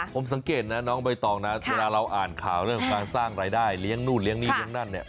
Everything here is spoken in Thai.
ผมสังเกตนะน้องใบตองนะเวลาเราอ่านข่าวเรื่องการสร้างรายได้เลี้ยงนู่นเลี้ยนี่เลี้ยงนั่นเนี่ย